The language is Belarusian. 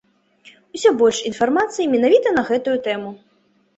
Усё больш інфармацыі менавіта на гэтую тэму.